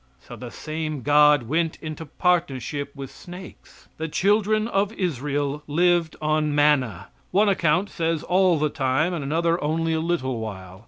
So the same God went into partnership with snakes. The children of Israel lived on manna one account says all the time, and another only a little while.